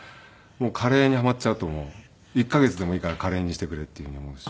カレーにハマっちゃうともう１カ月でもいいからカレーにしてくれっていうふうに思うし。